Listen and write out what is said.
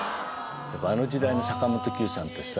あの時代の坂本九さんってさ